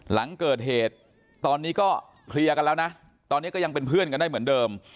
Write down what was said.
หลังเกิดเหตุตอนนี้ก็เคลียร์กันแล้วนะตอนนี้ก็ยังเป็นเพื่อนกันได้เหมือนเดิม